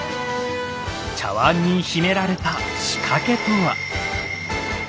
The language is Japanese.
茶わんに秘められた仕掛けとは？